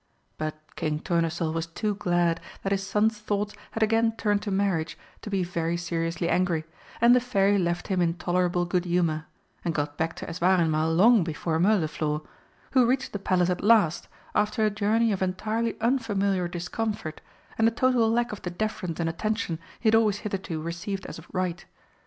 But King Tournesol was too glad that his son's thoughts had again turned to marriage to be very seriously angry, and the Fairy left him in tolerable good humour, and got back to Eswareinmal long before Mirliflor, who reached the Palace at last, after a journey of entirely unfamiliar discomfort and a total lack of the deference and attention he had always hitherto received as of right.